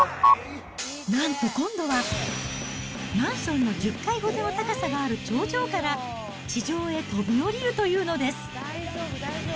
なんと今度はマンションの１０階ほどの高さがある頂上から、地上へ飛び降りるというのです。